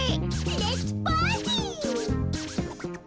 レッツパーティー！